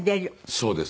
そうです。